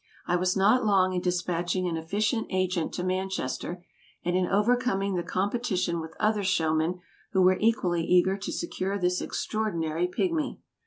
I was not long in despatching an efficient agent to Manchester, and in overcoming the competition with other showmen who were equally eager to secure this extraordinary pigmy.